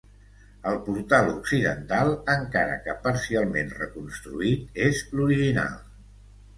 El portal occidental, encara que parcialment reconstruït, és l'original.